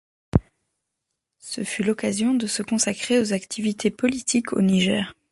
Ce fut l'occasion de se consacrer aux activités politiques au Niger.